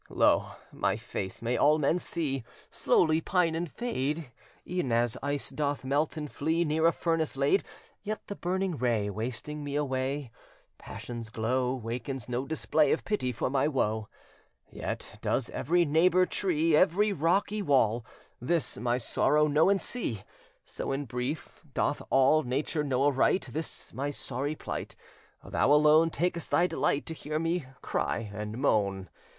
Lo! my face may all men see Slowly pine and fade, E'en as ice doth melt and flee Near a furnace laid. Yet the burning ray Wasting me away Passion's glow, Wakens no display Of pity for my woe. Yet does every neighbour tree, Every rocky wall, This my sorrow know and see; So, in brief, doth all Nature know aright This my sorry plight; Thou alone Takest thy delight To hear me cry and moan.